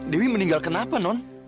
dewi meninggal kenapa non